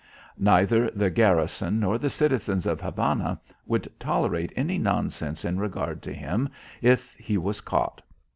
Neither the garrison nor the citizens of Havana would tolerate any nonsense in regard to him if he was caught.